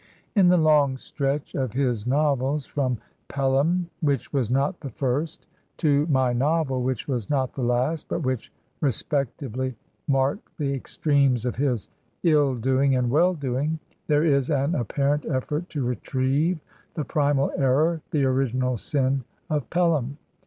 In the long stretch of his novels, from "Pelham," which was not the first, to "My Novel," which was not the last, but which respectively mark the extremes of his ill doing and well doing, there is an apparent effort to retrieve the primal error, the originsJ sin of "Pel ham."